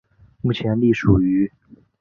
目前隶属于。